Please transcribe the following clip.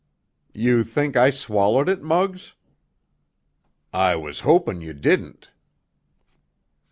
"You think I swallowed it, Muggs?" "I was hopin' you didn't."